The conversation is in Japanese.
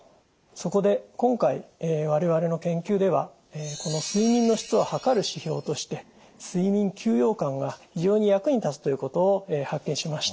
そこで今回我々の研究ではこの睡眠の質をはかる指標として睡眠休養感が非常に役に立つということを発見しました。